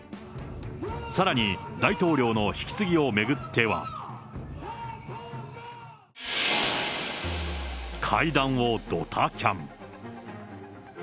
さらに、大統領の引き継ぎを巡っては。会談をドタキャン。